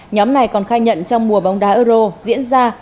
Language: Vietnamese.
nhóm này còn khai nhận trong mùa bóng đá euro diễn ra